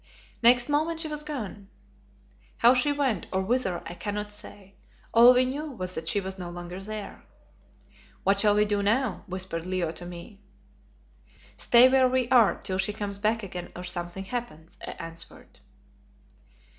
Next moment she was gone. How she went, or whither, I cannot say; all we knew was that she was no longer there. "What shall we do now?" whispered Leo to me. "Stay where we are till she comes back again or something happens," I answered.